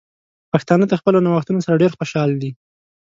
پښتانه د خپلو نوښتونو سره ډیر خوشحال دي.